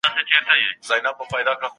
که ښوونه واضح وي، ابهام نه پاته کېږي.